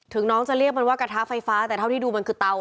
น้องจะเรียกมันว่ากระทะไฟฟ้าแต่เท่าที่ดูมันคือเตา